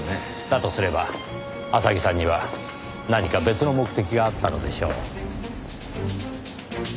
だとすれば浅木さんには何か別の目的があったのでしょう。